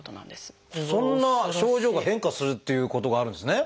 そんな症状が変化するっていうことがあるんですね。